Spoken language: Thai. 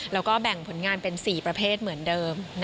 แล้วก็แบ่งผลงานเป็น๔ประเภทเหมือนเดิม